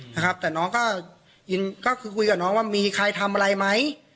นะครับแต่น้องก็ยินก็คือคุยกับน้องว่ามีใครทำอะไรไหม